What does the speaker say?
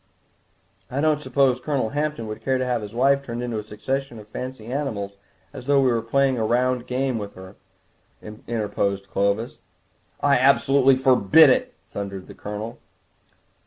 "I don't suppose Colonel Hampton would care to have his wife turned into a succession of fancy animals as though we were playing a round game with her," interposed Clovis. "I absolutely forbid it," thundered the Colonel.